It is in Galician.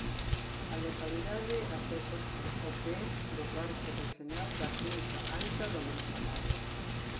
A localidade atópase ao pé do Parque Rexional da Cunca Alta do Manzanares.